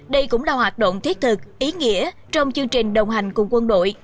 đây cũng là hoạt động thiết thực ý nghĩa trong chương trình đồng hành cùng quân đội